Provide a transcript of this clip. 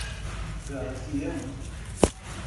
Gavião